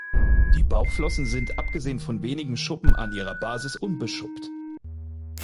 Die Bauchflossen sind abgesehen von wenigen Schuppen an ihrer Basis unbeschuppt.